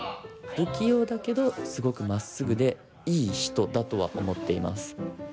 不器用だけどすごくまっすぐでいい人だとは思っています。